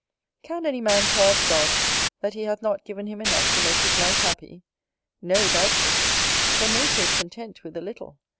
Can any man charge God, that He hath not given him enough to make his life happy? No, doubtless; for nature is content with a little.